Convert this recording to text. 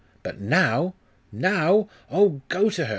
But now, now! Oh, go to her!